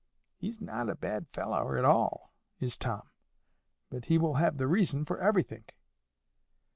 He's not a bad fellow at all, is Tom; but he will have the reason for everythink.